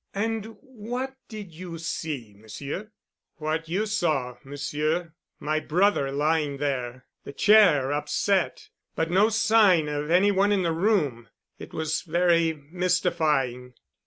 "And what did you see, Monsieur?" "What you saw, Monsieur—my brother lying there—the chair upset—but no sign of any one in the room. It was very mystifying."